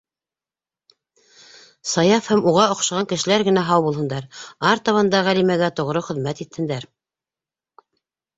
Саяф һәм уға оҡшаған кешеләр генә һау булһындар, артабан да Ғәлимәгә тоғро хеҙмәт итһендәр.